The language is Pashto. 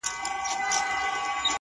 د ژوند خوارۍ كي يك تنها پرېږدې!!